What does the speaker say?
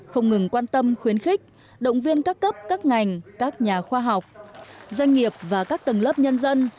không ngừng quan tâm khuyến khích động viên các cấp các ngành các nhà khoa học doanh nghiệp và các tầng lớp nhân dân